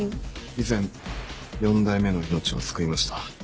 以前四代目の命を救いました。